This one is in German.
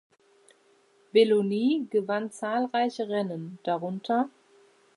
Belloni gewann zahlreiche Rennen, darunter